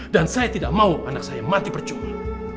dan saya tidak mau anak saya mati percuma